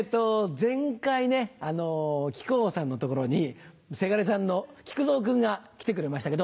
前回ね木久扇さんの所にせがれさんの木久蔵君が来てくれましたけど。